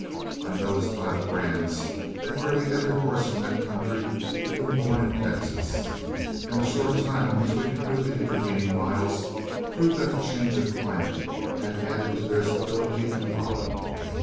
I noticed by the brands that nearly every horse in that country had been born in Texas, and the short time in which we covered the intervening miles proved that the change of climate had added to their stability and bottom.